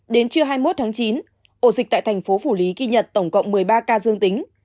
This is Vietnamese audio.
đến trưa hai mươi một tháng chín ổ dịch tại thành phố phủ lý ghi nhận tổng cộng một mươi ba ca dương tính